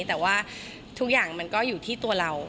แต่ว่าทุกอย่างมันก็อยู่ที่ตัวเรา